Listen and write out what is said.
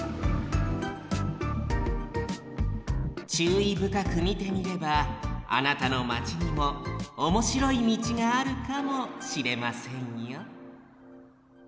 ちゅういぶかくみてみればあなたのマチにもおもしろいみちがあるかもしれませんよ